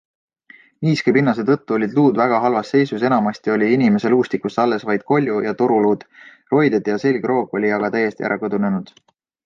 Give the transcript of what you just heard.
Niiske pinnase tõttu olid luud väga halvas seisus, enamasti oli inimese luustikust alles vaid kolju ja toruluud, roided ja selgroog olid aga täiesti ära kõdunenud.